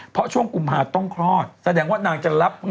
เพราะช่วงกุมภาต้องคลอดแสดงว่านางจะรับเงิน